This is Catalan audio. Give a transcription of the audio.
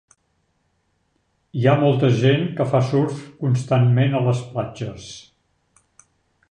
Hi ha molta gent que fa surf constantment a les platges.